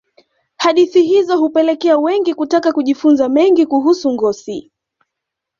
hadithi hizo hupelekea wengi kutaka kujifunza mengi kuhusu ngosi